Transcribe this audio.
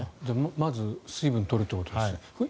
まずは水分を取るということですね。